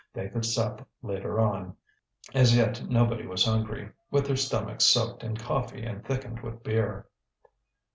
They could sup later on; as yet nobody was hungry, with their stomachs soaked in coffee and thickened with beer.